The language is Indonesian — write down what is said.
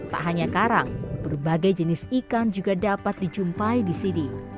tak hanya karang berbagai jenis ikan juga dapat dijumpai di sini